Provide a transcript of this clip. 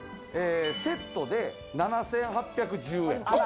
セットで７８１０円。